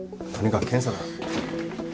とにかく検査だ。